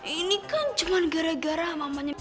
ini kan cuma gara gara mamanya